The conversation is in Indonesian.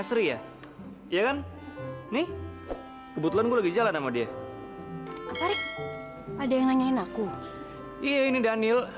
sri ya ya kan nih kebetulan gue lagi jalan sama dia tarik ada yang nanyain aku iya ini daniel